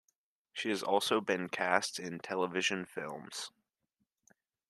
She has also been cast in television films.